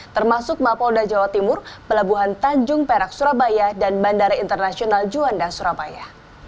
termasuk mapolda jawa timur pelabuhan tanjung perak surabaya dan bandara internasional juanda surabaya